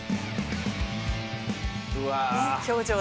うわ。